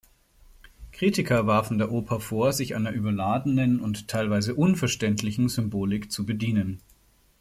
Kritiker warfen der Oper vor, sich einer überladenen und teilweise unverständlichen Symbolik zu bedienen.